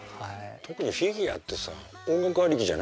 特にフィギュアってさ音楽ありきじゃない？